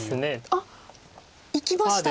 あっ！いきました。